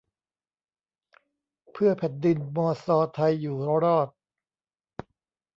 เพื่อแผ่นดินมอซอไทยอยู่รอด